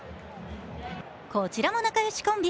こちらも仲よしコンビ